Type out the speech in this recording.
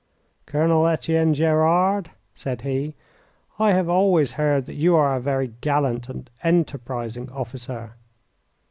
"Colonel Etienne Gerard," said he, "I have always heard that you are a very gallant and enterprising officer."